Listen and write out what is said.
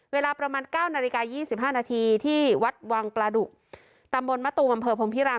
เวลาประมาณ๙นาฬิกา๒๕นาทีที่วัดวังปลาดุกตำบลมะตูมอำเภอพรมพิราม